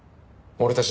俺たち？